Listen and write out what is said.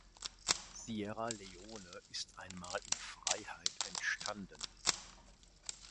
Sierra Leone ist einmal in Freiheit entstanden.